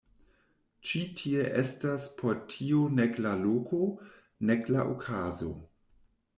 Ĉi tie estas por tio nek la loko, nek la okazo.